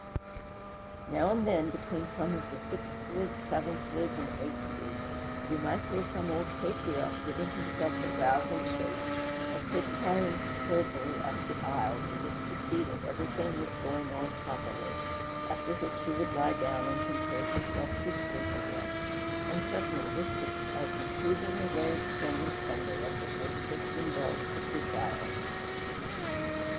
Now and then, between some of the sixthlies, seventhlies, and eighthlies, you might hear some old patriarch giving himself a rousing shake, and pitpatting soberly up the aisles, as if to see that everything was going on properly, after which he would lie down and compose himself to sleep again; and certainly this was as improving a way of spending Sunday as a good Christian dog could desire.